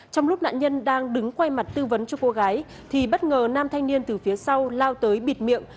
trong lúc nạn nhân đang đứng quay mặt tư vấn cho cô gái thì bất ngờ nam thanh niên từ phía sau lao tới bịt miệng